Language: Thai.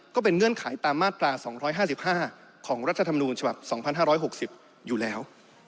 เงื่อนไขตามมาตรา๒๕๕ของรัฐธรรมนูญฉบับ๒๕๖๐อยู่แล้ว